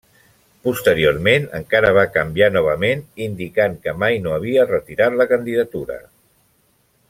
Posteriorment encara va canviar novament, indicant que mai no havia retirat la candidatura.